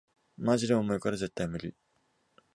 マジで重いから絶対ムリ